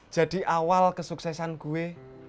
jadi awal kesuksesan gue